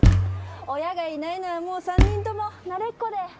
親がいないのはもう３人とも慣れっこで。